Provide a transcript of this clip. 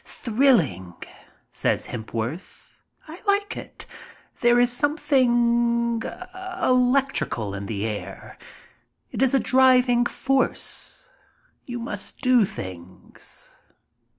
"Thrilling," says Hepworth. "I like it. There is some thing electrical in the air. It is a driving force. You must do things."